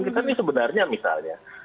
kita nih sebenarnya misalnya